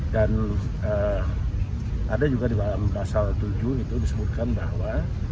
dan ada juga di pasal tujuh itu disebutkan bahwa